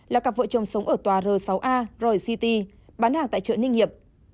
là cặp vợ chồng sống ở tòa r sáu a royal city bán hàng tại chợ ninh hiệp